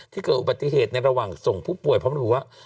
เกิดอุบัติเหตุในระหว่างส่งผู้ป่วยเพราะระบุว่า